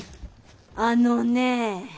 あのねえ！